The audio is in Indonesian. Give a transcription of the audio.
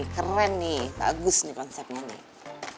keren nih bagus nih konsepnya nih